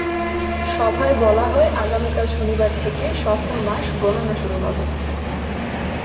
সভায় বলা হয়, আগামীকাল শনিবার থেকে সফর মাস গণনা শুরু হবে।